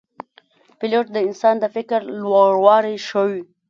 پیلوټ د انسان د فکر لوړوالی ښيي.